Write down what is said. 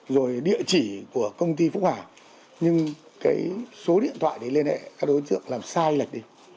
rồi địa chỉ của công ty phúc hà nhưng cái số điện thoại đấy liên hệ các đối tượng làm sai lệch đi